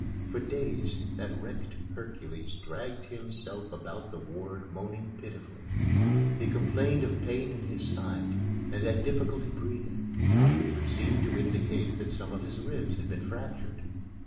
For days, that wrecked Hercules dragged himself about the ward moaning pitifully. He complained of pain in his side and had difficulty in breathing, which would seem to indicate that some of his ribs had been fractured.